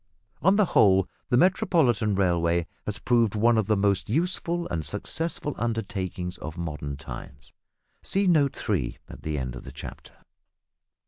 On the whole the Metropolitan Railway has proved one of the most useful and successful undertakings of modern times. See Note 3 at the end of the chapter.